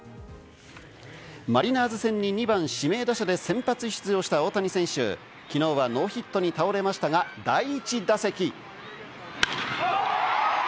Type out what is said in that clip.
マリナーズ戦に２番・指名打者で先発出場した大谷選手、きのうはノーヒットに倒れましたが、第１打席。